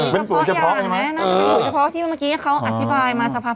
เป็นตัวอย่างไหมน่าจะเป็นสูตรเฉพาะที่เมื่อกี้เขาอธิบายมาสักพัก